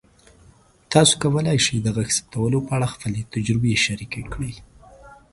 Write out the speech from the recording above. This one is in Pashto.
تاسو کولی شئ د غږ ثبتولو په اړه خپلې تجربې شریکې کړئ.